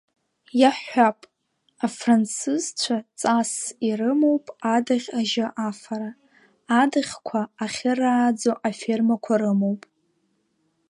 Иаҳҳәап, афранцызцәа ҵасс ирымоуп адаӷь ажьы афара, адаӷьқәа ахьырааӡо афермақәа рымоуп.